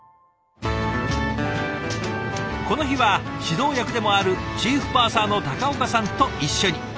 この日は指導役でもあるチーフパーサーの岡さんと一緒に。